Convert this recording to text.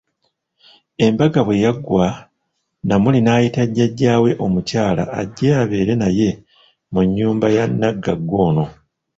Embaga bwe yaggwa, Namuli n'ayita jjaja we omukyala ajje abeere naye mu nnyumba ya naggagga ono.